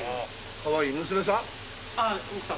かわいい娘さん？